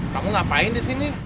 kamu ngapain di sini